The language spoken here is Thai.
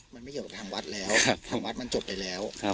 มันไม่เกี่ยวกับทางวัดแล้วทางวัดมันจบไปแล้ว